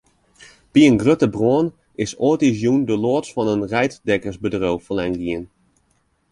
By in grutte brân is âldjiersjûn de loads fan in reidtekkersbedriuw ferlern gien.